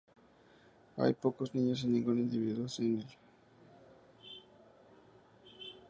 Hay pocos niños y ningún individuo senil.